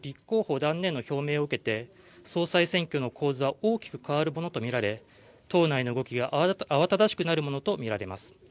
断念の表明を受けて総裁選挙の構図は大きく変わるものと見られ、党内の動きが慌ただしくなるものと見られます。